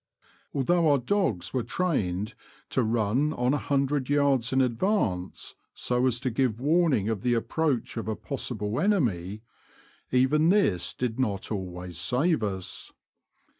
Ahhough our dogs were trained to run on a hundred yards in advance so as to give warning of the approach of a possible enemv — even this did not alwavs save us.